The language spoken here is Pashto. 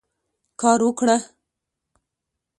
کار وکړه.